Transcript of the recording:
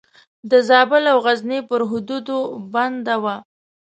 د زابل او غزني پر حدودو بنده وه.